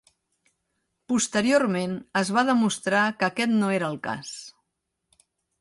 Posteriorment es va demostrar que aquest no era el cas.